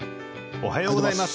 おはようございます。